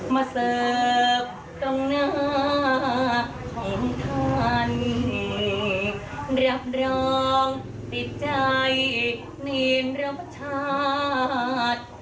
มาเสิร์ฟต้องนาของท่านรับร้องติดใจเน้นรับชาติ